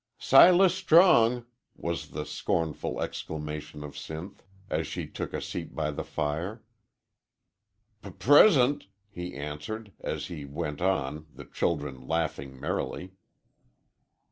"Silas Strong!" was the seornful exclamation of Sinth, as she took a seat by the fire, "P present!" he answered, as he werit on, the children laughing merrily.